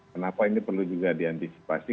kenapa ini perlu juga diantisipasi